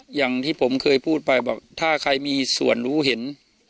อย่างที่ผมเคยพูดไปบอกถ้าใครมีส่วนรู้เห็น